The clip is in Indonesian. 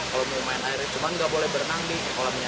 kalau mau main air cuma nggak boleh berenang di kolamnya